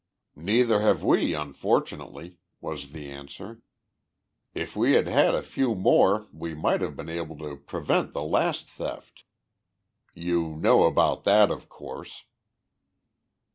"Neither have we, unfortunately," was the answer. "If we had had a few more we might have been able to prevent the last theft. You know about that, of course."